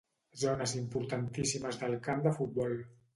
Zones importantíssimes del camp de futbol.